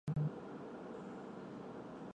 气急的泰迪找来了新帮手助阵。